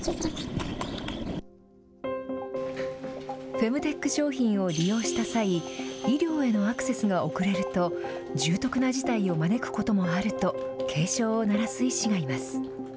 フェムテック商品を利用した際医療へのアクセスが遅れると重篤な事態を招くこともあると警鐘を鳴らす医師がいます。